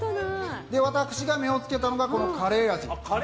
私が目を付けたのがカレー味。